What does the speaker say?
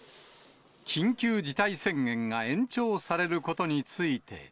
緊急事態宣言が延長されることについて。